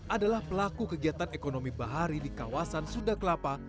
adalah pelaku kegiatan ekonomi bahari di kawasan sunda kelapa